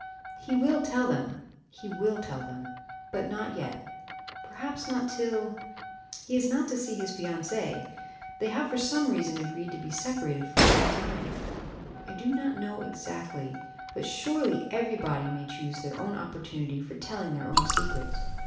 "He will tell them, he will tell them but not yet; perhaps not till he is not to see his fiancée they have for some reason agreed to be separated for some time I do not know exactly, but surely every body may choose their own opportunity for telling their own secrets.